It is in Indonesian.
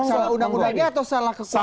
salah undang undangnya atau salah kekuasaan